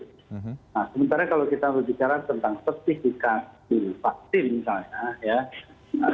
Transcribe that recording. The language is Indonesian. nah sementara kalau kita berbicara tentang sertifikasi vaksin misalnya ya